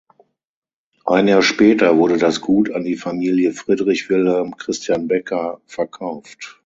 Ein Jahr später wurde das Gut an die Familie Friedrich Wilhelm Christian Becker verkauft.